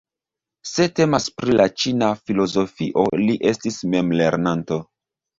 Se temas pri la ĉina filozofio li estis memlernanto.